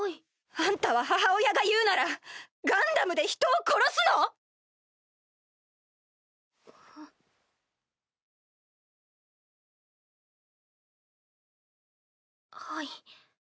あんたは母親が言うならガンダムで人を殺すの⁉はい。